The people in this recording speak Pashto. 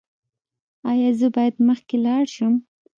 ایا زه باید مخکې لاړ شم؟